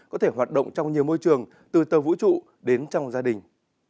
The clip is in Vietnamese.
có thể hoạt động trong nhiều môi trường từ tờ vũ trụ đến trong gia đình